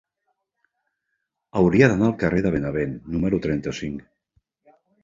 Hauria d'anar al carrer de Benavent número trenta-cinc.